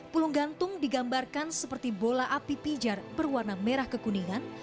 pulung gantung digambarkan seperti bola api pijar berwarna merah kekuningan